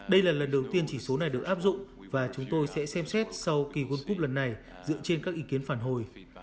đây là lần đầu tiên chỉ số này được áp dụng và chúng tôi sẽ xem xét sau kỳ world cup lần này dựa trên các ý kiến phản hồi